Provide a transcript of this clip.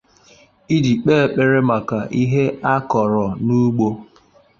iji kpee ekpere maka ihe a kọrọ n'ugbo